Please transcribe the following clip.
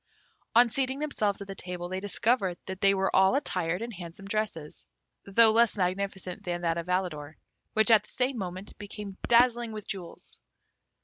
On seating themselves at the table, they discovered that they were all attired in handsome dresses, though less magnificent than that of Alidor, which at the same moment became dazzling with jewels.